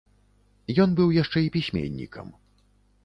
Ён быў яшчэ і пісьменнікам.